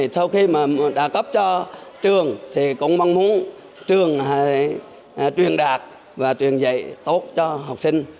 sau khi đã cấp cho trường thì cũng mong muốn trường truyền đạt và truyền dạy tốt cho học sinh